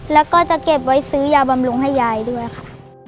แล้วก็จะเก็บไว้ซื้อยาบำรุงให้ยายด้วยค่ะ